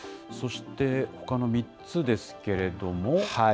そして、ほかの３つですけれども。